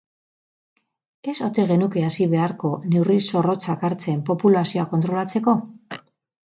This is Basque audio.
Ez ote genuke hasi beharko neurri zorrotzak hartzen populazioa kontrolatzeko?